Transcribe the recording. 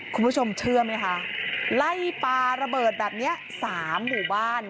คุณผู้ชมเชื่อไหมคะไล่ปลาระเบิดแบบนี้๓หมู่บ้าน